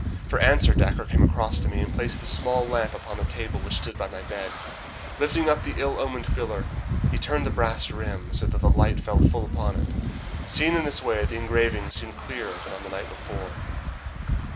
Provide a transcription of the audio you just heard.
For answer Dacre came across to me, and placed the small lamp upon the table which stood by my bed. Lifting up the ill omened filler, he turned the brass rim so that the light fell full upon it. Seen in this way the engraving seemed clearer than on the night before.